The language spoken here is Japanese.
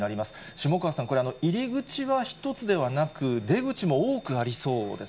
下川さん、これ、入り口は１つではなく、出口も多くありそうです